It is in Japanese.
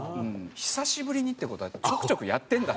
「久しぶりに」っていう事はちょくちょくやってるんだ。